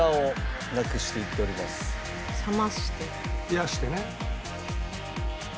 冷やしてね。